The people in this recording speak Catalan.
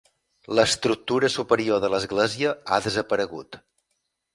L'estructura superior de l'església ha desaparegut.